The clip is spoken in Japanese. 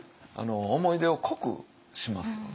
思い出を濃くしますよね。